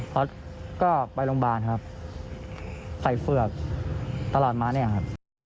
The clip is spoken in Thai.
พอก็ไปโรงพยาบาลครับใส่เฝือกตลอดมาเนี่ยครับ